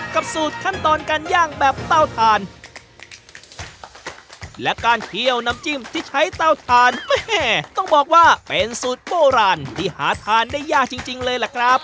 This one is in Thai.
สูตรขั้นตอนการย่างแบบเต้าทานและการเคี่ยวน้ำจิ้มที่ใช้เต้าทานแม่ต้องบอกว่าเป็นสูตรโบราณที่หาทานได้ยากจริงจริงเลยล่ะครับ